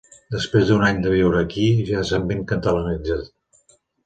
Després d'un any de viure aquí, ja s'han ben catalanitzat.